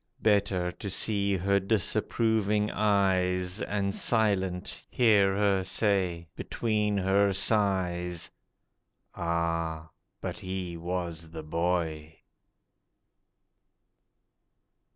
Better to see her disapproving eyes, And silent, hear her say, between her sighs, 'Ah, but he was the boy!